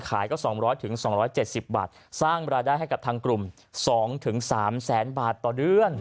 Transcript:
ขายก็๒๐๐๒๗๐บาทสร้างรายได้ให้กับทางกลุ่ม๒๓แสนบาทต่อเดือน